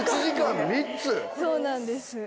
そうなんです。